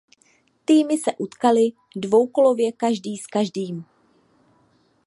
Týmy se utkaly dvoukolově každý s každým.